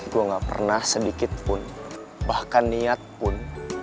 gue gak pernah sedikit pun bahkan niat pun